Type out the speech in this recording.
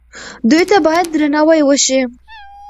دوی ته باید درناوی وشي.